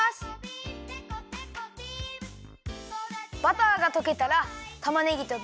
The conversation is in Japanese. バターがとけたらたまねぎとベーコンをいれて。